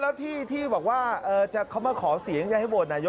แล้วที่บอกว่าเขามาขอเสียงจะให้โหวตนายก